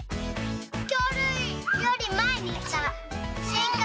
きょうりゅうよりまえにいたしんか